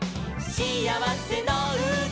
「しあわせのうた」